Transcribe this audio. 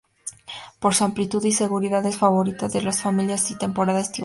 Por su amplitud y seguridad es favorita de las familias en temporada estival.